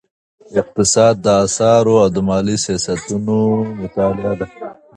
اقتصاد د اسعارو او مالي سیاستونو مطالعه ده.